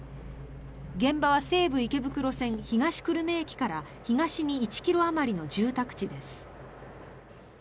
現場は西武池袋線東久留米駅から東に１ｋｍあまりの住宅地です。